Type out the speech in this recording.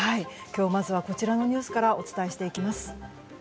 まずはこちらのニュースからお伝えしていきます。